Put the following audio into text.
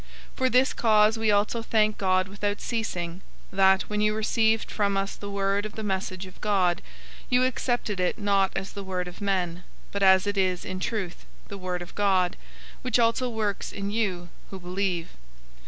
002:013 For this cause we also thank God without ceasing, that, when you received from us the word of the message of God, you accepted it not as the word of men, but, as it is in truth, the word of God, which also works in you who believe.